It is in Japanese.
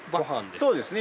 そうですね。